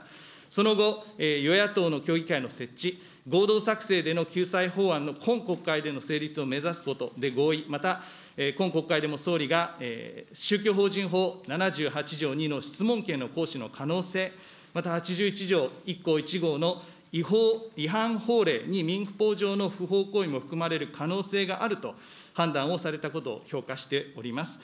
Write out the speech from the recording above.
その後、与野党の協議会の設置、合同作成での救済法案の今国会での成立を目指すことで合意、また今国会でも、総理が宗教法人法７８条２の質問権の行使の可能性、また８１条１項１号の違法違反法令に民法上の不法行為も含まれる可能性があると判断をされたことを評価しております。